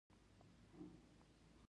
تنفس ضروري دی.